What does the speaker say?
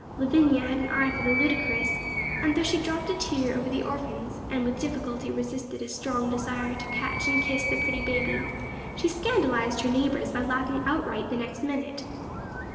Lavinia had an eye for the ludicrous and though she dropped a tear over the orphans, and with difficulty resisted a strong desire to catch and kiss the pretty baby, she scandalized her neighbours by laughing outright the next minute.